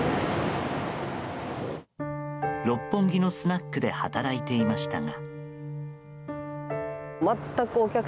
六本木のスナックで働いていましたが。